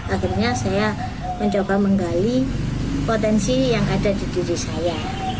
akhirnya saya mencoba menggali potensi yang ada di diri saya